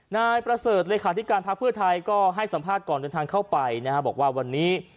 นายประเสริฐเลขาธิการพักเพื่อไทยก็ให้สัมภาษณ์ก่อนเดินทางเข้าไปนะฮะบอกว่าวันนี้